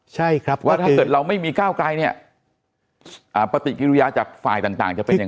ใช่ครับว่าถ้าเกิดเราไม่มีก้าวไกลเนี่ยปฏิกิริยาจากฝ่ายต่างจะเป็นอย่าง